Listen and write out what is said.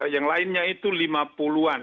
yang lainnya itu lima puluh an